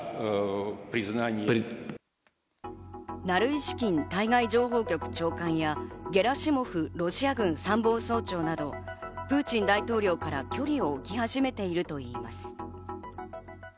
ナルイシキン対外情報局長官や、ゲラシモフロシア軍参謀総長などプーチン大統領から距離を置き始めているといいます。